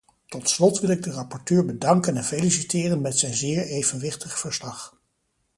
Tot slot wil ik de rapporteur bedanken en feliciteren met zijn zeer evenwichtig verslag.